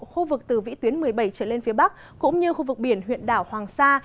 khu vực từ vĩ tuyến một mươi bảy trở lên phía bắc cũng như khu vực biển huyện đảo hoàng sa